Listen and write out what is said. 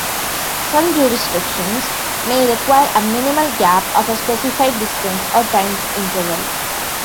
Some jurisdictions may require a minimal gap of a specified distance or time interval.